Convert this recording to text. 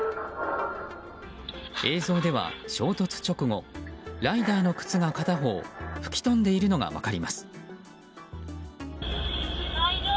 映像では、衝突直後ライダーの靴が片方吹き飛んでいるのが分かります。